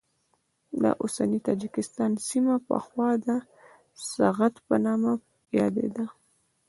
د اوسني تاجکستان سیمه پخوا د سغد په نامه یادېده.